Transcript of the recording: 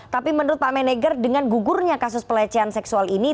tapi menurut pak menegar dengan gugurnya kasus pelecehan seksual ini